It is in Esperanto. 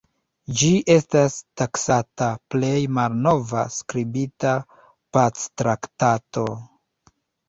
Ĝi estas taksata plej malnova skribita pactraktato.